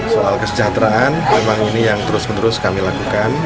soal kesejahteraan memang ini yang terus menerus kami lakukan